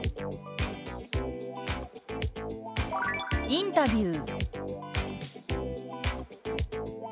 「インタビュー」。